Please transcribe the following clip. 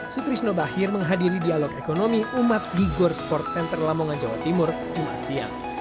sutrisno bahir menghadiri dialog ekonomi umat di gor sports center lamongan jawa timur jumat siang